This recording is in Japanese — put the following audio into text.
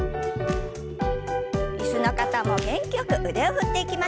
椅子の方も元気よく腕を振っていきましょう。